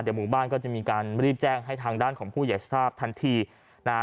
เดี๋ยวหมู่บ้านก็จะมีการรีบแจ้งให้ทางด้านของผู้ใหญ่ทราบทันทีนะฮะ